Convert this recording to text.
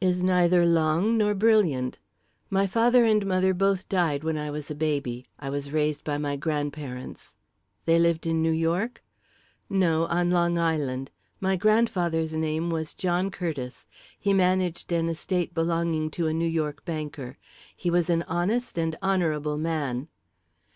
"Is neither long nor brilliant. My father and mother both died when I was a baby. I was raised by my grandparents." "They lived in New York?" "No; on Long Island. My grandfather's name was John Curtiss. He managed an estate belonging to a New York banker. He was an honest and honourable man."